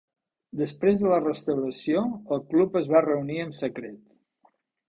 Després de la restauració, el club es va reunir en secret.